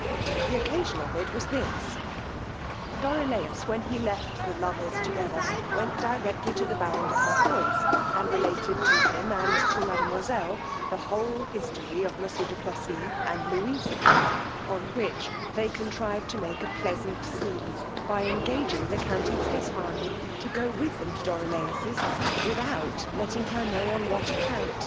The occasion of it was this: Dorilaus, when he left the lovers together, went directly to the baron de Palfoy's, and related to him and to mademoiselle the whole history of monsieur du Plessis and Louisa; on which they contriv'd to make a pleasant scene, by engaging the countess d'Espargnes to go with them to Dorilaus's, without letting her know on what account.